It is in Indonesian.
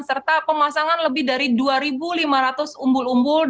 serta pemasangan lebih dari dua lima ratus umbul umbul